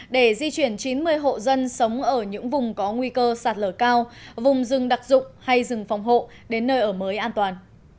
để di chuyển chín mươi hộ dân sống ở những vùng có nguy cơ sạt lở cao vùng rừng đặc dụng hay rừng phòng hộ đến nơi ở mới an toàn